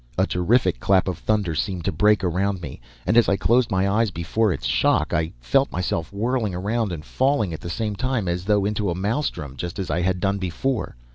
"A terrific clap of thunder seemed to break around me, and as I closed my eyes before its shock, I felt myself whirling around and falling at the same time as though into a maelstrom, just as I had done before.